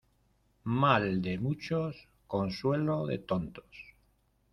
Mal de muchos consuelo de tontos.